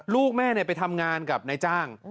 ลูกแม่ไปทำงานกับนายจ้าง